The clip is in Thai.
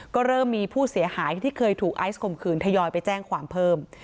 ก็เริ่มมีผู้เสียหายที่เคยถูกไอซ์ข่มขืนทยอยไปแจ้งความเพิ่ม